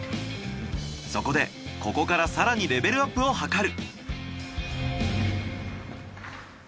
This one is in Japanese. そこでここから更にレベルアップをはかる。